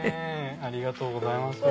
ありがとうございます。